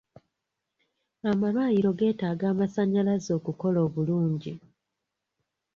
Amalwaliro geetaaga amasannyalaze okukola obulungi.